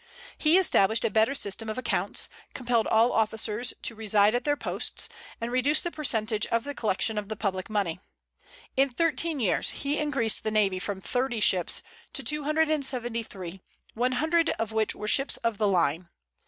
He established a better system of accounts, compelled all officers to reside at their posts, and reduced the percentage of the collection of the public money. In thirteen years he increased the navy from thirty ships to two hundred and seventy three, one hundred of which were ships of the line.